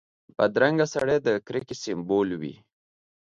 بدرنګه سړی د کرکې سمبول وي